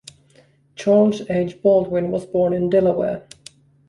Charles H. Baldwin was born in Delaware.